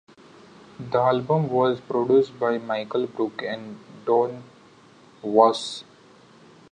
The album was produced by Michael Brook and Don Was.